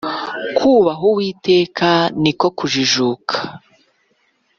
kubaha uwiteka niko kujijuka